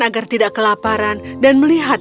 agar tidak kelaparan dan melihat